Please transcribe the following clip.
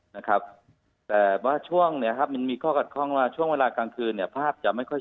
นะครับลักษณะแบรนด์สีเทาหรือสีดำ